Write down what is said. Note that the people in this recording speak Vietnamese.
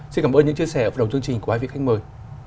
xin cảm ơn những chia sẻ ở phần đầu chương trình của hai vị khách mời